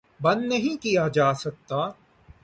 بند نہیں کیا جا سکتا